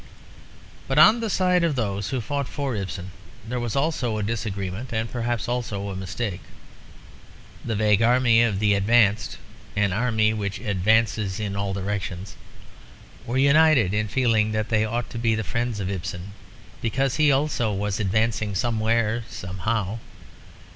But on the side of those who fought for Ibsen there was also a disagreement, and perhaps also a mistake. The vague army of "the advanced" (an army which advances in all directions) were united in feeling that they ought to be the friends of Ibsen because he also was advancing somewhere somehow.